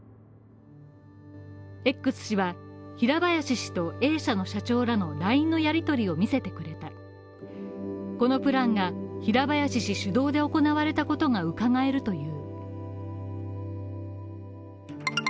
Ｘ氏は平林氏とＡ社の社長らのＬＩＮＥのやりとりを見せてくれたこのプランが平林氏主導で行われたことがうかがえるという。